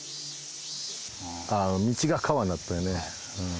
道が川になってたんやね。